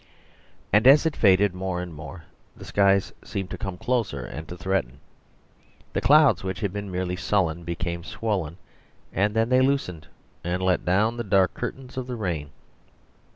And as it faded more and more the skies seemed to come closer and to threaten. The clouds which had been merely sullen became swollen; and then they loosened and let down the dark curtains of the rain.